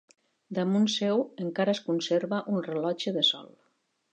Damunt seu encara es conserva un rellotge de sol.